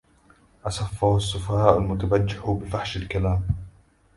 أسفه السّفهاء المُتبجّح بفحش الكلام.